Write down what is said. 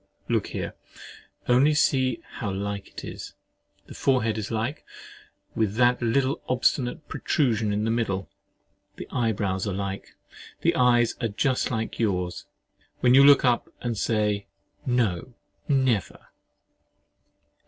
Look here, only see how like it is. The forehead is like, with that little obstinate protrusion in the middle; the eyebrows are like, and the eyes are just like yours, when you look up and say—"No—never!"